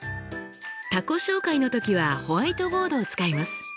他己紹介の時はホワイトボードを使います。